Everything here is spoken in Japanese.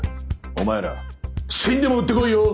お前ら死んでも売ってこいよ。